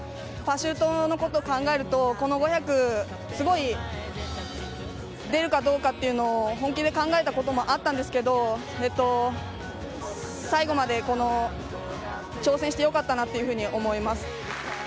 パシュートのことを考えると、この５００、すごい出るかどうかっていうのを本気で考えたこともあったんですけど、最後までこの挑戦してよかったなっていうふうに思います。